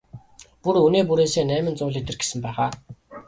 Бүр үнээ бүрээсээ найман зуун литр гэсэн байх аа?